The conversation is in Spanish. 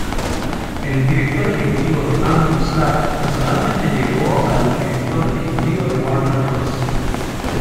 El director ejecutivo Andrew Slack personalmente llegó al director ejecutivo de Warner Bros.